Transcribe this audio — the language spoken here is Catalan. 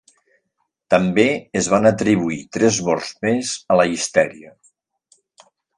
També es van atribuir tres morts més a la histèria.